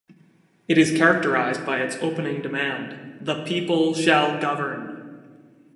It is characterized by its opening demand; The People Shall Govern!